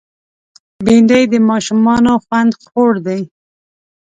بېنډۍ د ماشومانو خوند خوړ دی